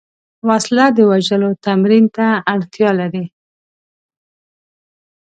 وسله د وژلو تمرین ته اړتیا لري